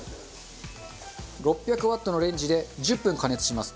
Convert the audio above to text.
６００ワットのレンジで１０分加熱します。